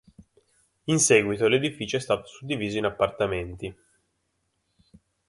In seguito l'edificio è stato suddiviso in appartamenti.